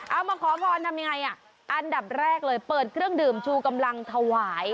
เอามาขอพรทำยังไงอ่ะอันดับแรกเลยเปิดเครื่องดื่มชูกำลังถวาย